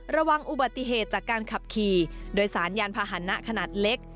ระวังอุบัติเหตุจากการขับขี่โดยสารยานพาหนะขนาดเล็ก